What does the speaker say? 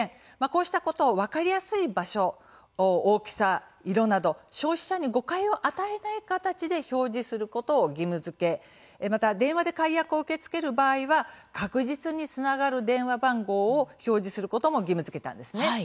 こうしたことを分かりやすい場所大きさ、色など消費者に誤解を与えない形で表示することを義務づけまた電話で解約を受け付ける場合は確実につながる電話番号を表示することも義務づけたんですね。